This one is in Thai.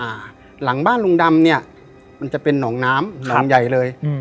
หลังบ้านลุงดำเนี้ยมันจะเป็นหนองน้ำหนองใหญ่เลยอืม